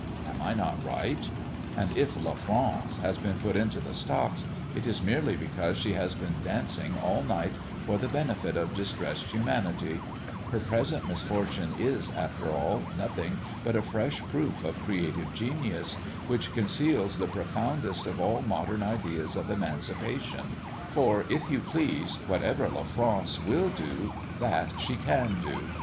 Am I not right? And if la France has been put into the stocks, it is merely because she has been dancing all night for the benefit of distressed humanity; her present misfortune is, after all, nothing but a fresh proof of creative genius, which conceals the profoundest of all modern ideas of emancipation; for, if you please, whatever la France will do that she can do.